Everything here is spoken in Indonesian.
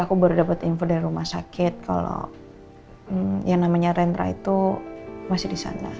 aku baru dapat info dari rumah sakit kalau yang namanya rendra itu masih di sana